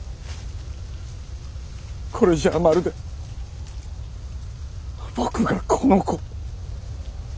これじゃあまるで僕がこの子を！！